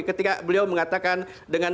ketika beliau mengatakan dengan